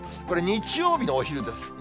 これ、日曜日のお昼です。